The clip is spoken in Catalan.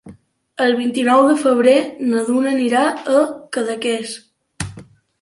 El vint-i-nou de febrer na Duna anirà a Cadaqués.